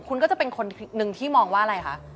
คุณก็จะเป็นคนหนึ่งที่มองว่าอะไรคะ